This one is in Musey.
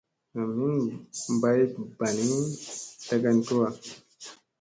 Nam hin mbaybni dagan tuwa.